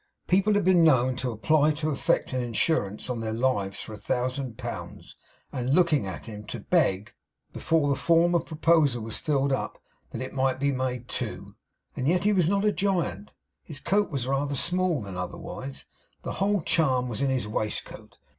People had been known to apply to effect an insurance on their lives for a thousand pounds, and looking at him, to beg, before the form of proposal was filled up, that it might be made two. And yet he was not a giant. His coat was rather small than otherwise. The whole charm was in his waistcoat.